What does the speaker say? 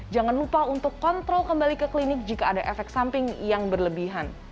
jangan lupa untuk kontrol kembali ke klinik jika ada efek samping yang berlebihan